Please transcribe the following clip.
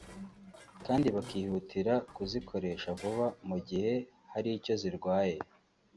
kandi bakihutira kuzikoresha vuba mu gihe hari icyo zirwaye